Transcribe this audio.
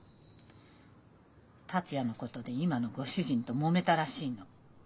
達也のことで今のご主人ともめたらしいの。